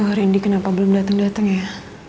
aduh rendy kenapa belom dateng dateng ya